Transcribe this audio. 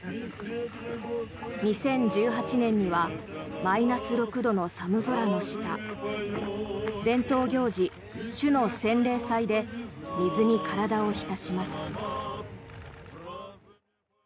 ２０１８年にはマイナス６度の寒空の下伝統行事、主の洗礼祭で水に体を浸します。